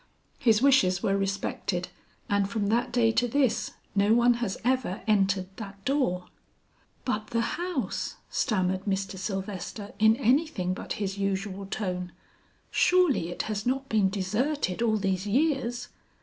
His wishes were respected, and from that day to this no one has ever entered that door." "But the house!" stammered Mr. Sylvester in anything but his usual tone, "surely it has not been deserted all these years!"